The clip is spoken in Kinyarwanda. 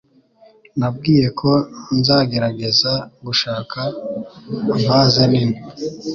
Nabwiye ko nzagerageza gushaka vase nini.